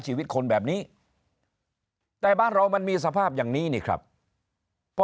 ชีวิตคนแบบนี้แต่บ้านเรามันมีสภาพอย่างนี้นี่ครับพอ